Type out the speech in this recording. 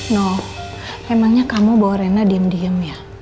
no emangnya kamu bawa rena diem diem ya